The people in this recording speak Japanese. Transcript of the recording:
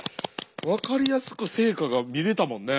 分かりやすく成果が見れたもんね。